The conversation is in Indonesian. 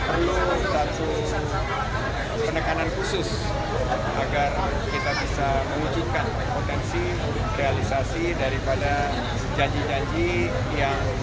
perlu satu penekanan khusus agar kita bisa mewujudkan potensi realisasi daripada janji janji yang